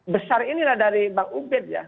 besar inilah dari bang ubed ya